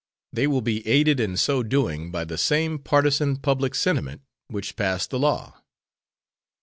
They will be aided in so doing by the same partisan public sentiment which passed the law.